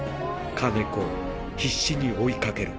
金子、必死に追いかける。